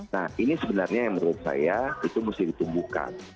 nah ini sebenarnya yang menurut saya itu mesti ditumbuhkan